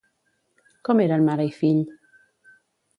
Com eren mare i fill?